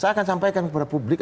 saya akan sampaikan kepada publik